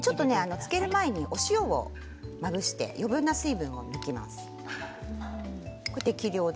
漬ける前にお塩をまぶして余分な水分を抜きます。